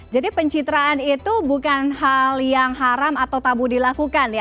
jadi pencitraan itu bukan hal yang haram atau tabu dilakukan ya